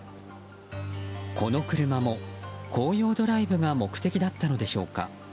この車も紅葉ドライブが目的だったのでしょうか。